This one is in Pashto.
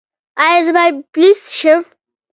ایا زه باید پولیس شم؟